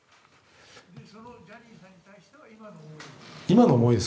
ジャニーさんに対しての今の思いは？